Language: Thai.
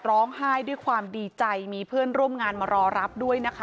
ร้องไห้ด้วยความดีใจมีเพื่อนร่วมงานมารอรับด้วยนะคะ